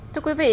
thưa quý vị